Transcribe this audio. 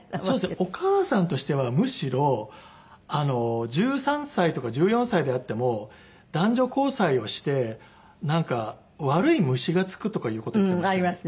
お母さんとしてはむしろ１３歳とか１４歳であっても男女交際をしてなんか悪い虫がつくとかいう事言ってましたね。